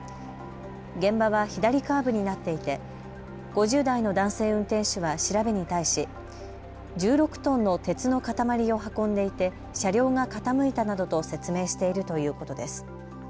現場は左カーブになっていて５０代の男性運転手は調べに対し１６トンの鉄のかたまりを運んでいて車両が傾いたなどと説明しているということです。